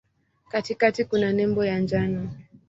Katikati kuna nembo ya njano.